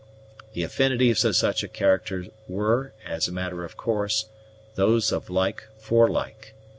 The affinities of such a character were, as a matter of course, those of like for like.